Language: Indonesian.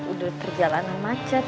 udah terjalanan macet